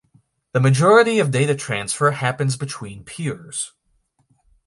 The majority of data transfer happens between peers.